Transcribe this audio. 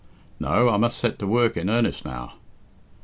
"No, I must set to work in earnest now."